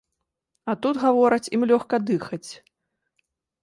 А тут, гавораць, ім лёгка дыхаць.